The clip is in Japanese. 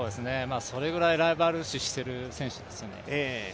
それぐらいライバル視している選手ですね。